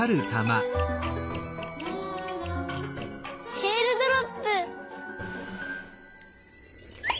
えーるドロップ！